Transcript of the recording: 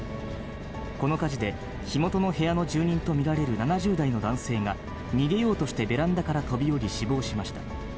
この火事で、火元の部屋の住人と見られる７０代の男性が、逃げようとしてベランダから飛び降り死亡しました。